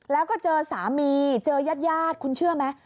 แล้วก็เจอสามีเจอยาดคุณเชื่อไหม